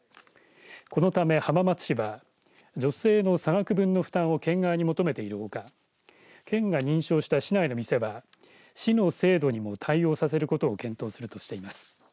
このため浜松市は助成の差額分の負担を県側に求めているほか県が認証した市内の店は市の制度にも対応させることを検討するとしています。